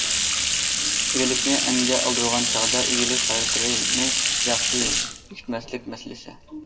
ئىگىلىكنى ئەنگە ئالدۇرغان چاغدا ئىگىلىك خاراكتېرىنى ياخشى بېكىتمەسلىك مەسىلىسى.